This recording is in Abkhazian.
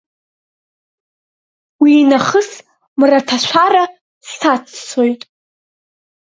Уи нахыс мраҭашәара саццоит.